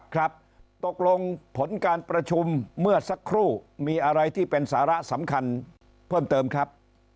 ครับตกลงผลการประชุมเมื่อสักครู่มีอะไรที่เป็นสาระสำคัญเพิ่มเติมครับ